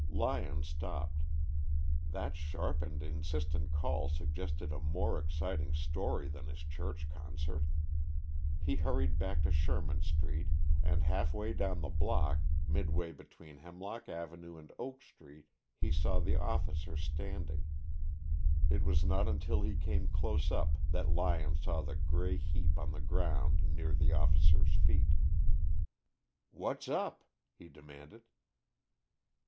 Lyon stopped. That sharp and insistent call suggested a more exciting "story" than his church concert. He hurried back to Sherman Street, and half way down the block, midway between Hemlock Avenue and Oak Street, he saw the officer standing. It was not until he came close up that Lyon saw the gray heap on the ground near the officer's feet. "What's up?" he demanded.